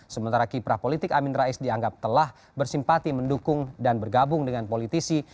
sementara kiprah politik amin rais dianggap telah bersimpati mendukung dan bergabung dengan politisi